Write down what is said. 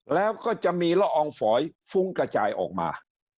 แล้วก็จะมีละอองฝอยฟุ้งกระจายออกมา